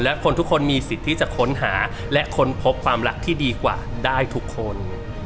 และคนทุกคนมีสิทธิ์ที่จะค้นหาและค้นพบความรักที่ดีกว่าได้ทุกคน